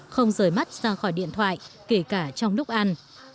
không rời mắt ra khỏi điện thoại kể cả trong lúc ăn